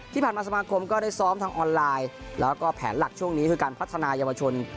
ที่ผ่านมาสมาคมก็ได้ซ้อมทางออนไลน์แล้วก็แผนหลักช่วงนี้คือการพัฒนายาวชน